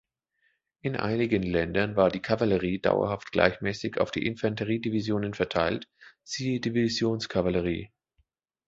In einigen Ländern war die Kavallerie dauerhaft gleichmäßig auf die Infanteriedivisionen verteilt, siehe Divisionskavallerie.